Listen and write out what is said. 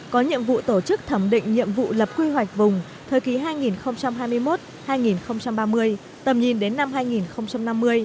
có nhiệm vụ tổ chức thẩm định nhiệm vụ lập quy hoạch vùng thời kỳ hai nghìn hai mươi một hai nghìn ba mươi tầm nhìn đến năm hai nghìn năm mươi